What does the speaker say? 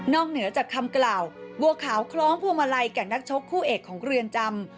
เหนือจากคำกล่าวบัวขาวคล้องพวงมาลัยแก่นักชกคู่เอกของเรือนจำ